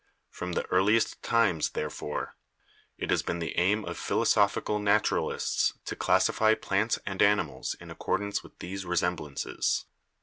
From the earliest times, therefore, it has been the aim of philosophi cal naturalists to classify plants and animals in accord ance with these resemblances.